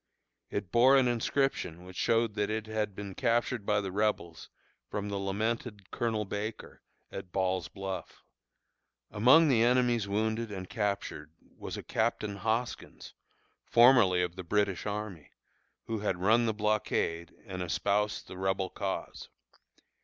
It bore an inscription which showed that it had been captured by the Rebels from the lamented Colonel Baker, at Ball's Bluff. Among the enemy's wounded and captured was a Captain Hoskins, formerly of the British army, who had run the blockade and espoused the Rebel cause.